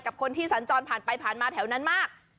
กับคนที่สัญจรผ่านไปผ่านมาแถวนั้นมาก